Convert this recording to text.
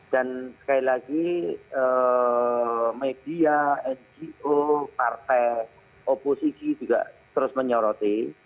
dan sekali lagi media ngo partai opo siki juga terus menyoroti